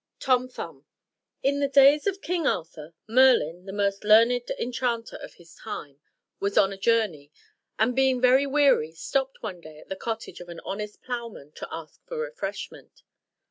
TOM THUMB. In the days of King Arthur, Merlin, the most learned enchanter of his time, was on a journey; and being very weary, stopped one day at the cottage of an honest ploughman to ask for refreshment.